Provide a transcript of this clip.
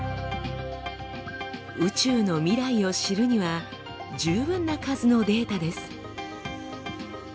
宇宙の未来を知るには十分な数のデータです。